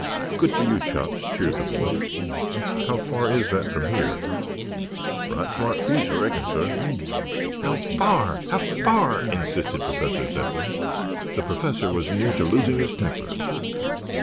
"Good for you, Chops," cheered the boys. "How far is that from here?" "Right smart piece, ah reckon, sah." "How far, how far?" insisted Professor Zepplin. The Professor was near to losing his temper.